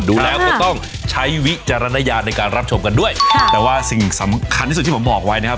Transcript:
ดูแล้วก็ต้องใช้วิจารณญาณในการรับชมกันด้วยค่ะแต่ว่าสิ่งสำคัญที่สุดที่ผมบอกไว้นะครับ